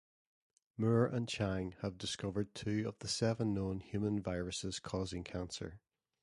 Moore and Chang have discovered two of the seven known human viruses causing cancer.